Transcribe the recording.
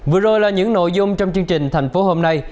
vừa rồi là những nội dung trong chương trình thành phố hôm nay